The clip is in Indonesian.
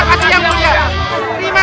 hidup yang mulia